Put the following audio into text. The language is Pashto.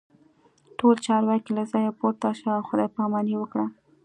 ټول چارواکي له ځایه پورته شول او خداي پاماني یې وکړه